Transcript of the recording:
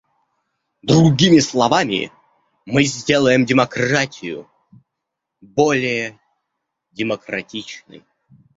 Другими словами, мы сделаем демократию более демократичной.